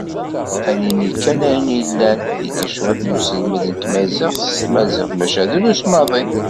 Ad nini kan ayen yellan, yella cwiṭ n uselmed n tmaziɣt s tmaziɣt, maca drus maḍi.